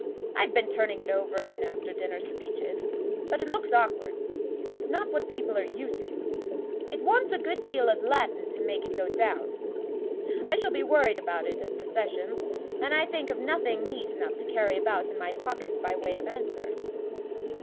I've been turning it over in after dinner speeches, but it looks awkward it's not what people are used to it wants a good deal of Latin to make it go down. I shall be worried about it at the sessions, and I can think of nothing neat enough to carry about in my pocket by way of answer."